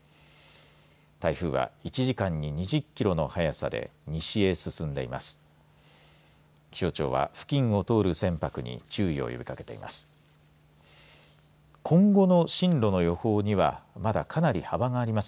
台風は１時間に２０キロの速さで西へ進んでいます。